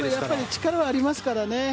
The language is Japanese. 力はありますからね。